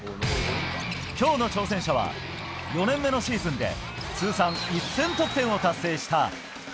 きょうの挑戦者は、４年目のシーズンで、通算１０００得点を達成